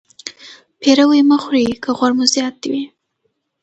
پیروي مه خورئ که غوړ مو زیات وي.